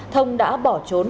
thông đã bỏ trốn